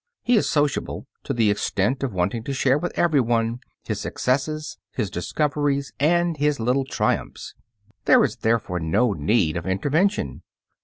He is sociable to the extent of wanting to share with every one his successes, his discoveries, and his little triumphs. There is therefore no need of intervention.